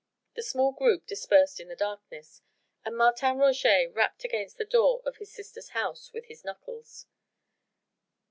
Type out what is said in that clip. The small group dispersed in the darkness and Martin Roget rapped against the door of his sister's house with his knuckles.